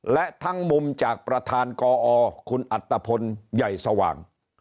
และทั้งมุมจากประธานกอคุณอัตภพลใหญ่สว่าง